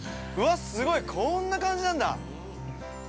すごい、こんな感じなんだ。